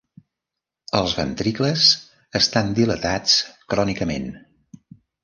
Els ventricles estan dilatats crònicament.